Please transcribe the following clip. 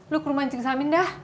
lo ke rumah cing salmin dah